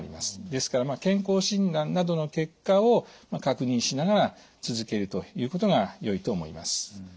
ですから健康診断などの結果を確認しながら続けるということがよいと思います。